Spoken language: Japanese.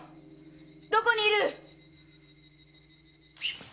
どこに居る！